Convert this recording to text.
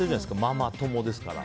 ママ友ですから。